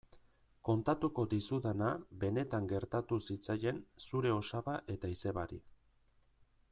Kontatuko dizudana benetan gertatu zitzaien zure osaba eta izebari.